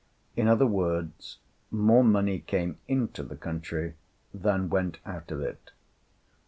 In other words, more money came into the country than went out of it.